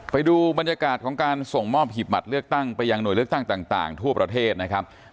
ไปดูบรรยากาศของการส่งมอบหีบบัตรเลือกตั้งไปยังหน่วยเลือกตั้งต่างทั่วประเทศนะครับ